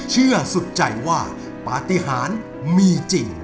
สุดใจว่าปฏิหารมีจริง